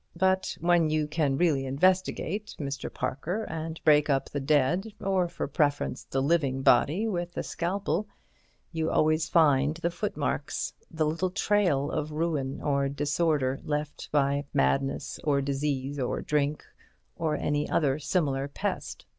But when you can really investigate, Mr. Parker, and break up the dead, or for preference the living body with the scalpel, you always find the footmarks—the little trail of ruin or disorder left by madness or disease or drink or any other similar pest.